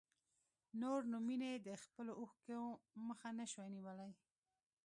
نور نو مينې د خپلو اوښکو مخه نه شوای نيولی.